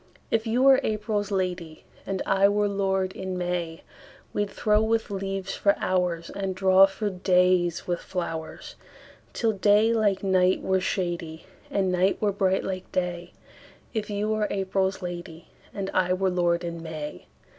If you were April's lady, And I were lord in May, We'd throw with leaves for hoursAnd draw for days with flowers, Till day like night were shadyAnd night were bright like day; If you were April's lady, And I were lord in May.